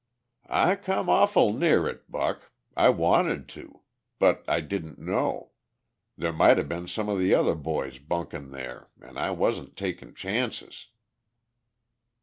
"I come awful near it, Buck! I wanted to. But I didn't know. There might 'a' been some of the other boys bunkin' there an' I wasn't takin' chances."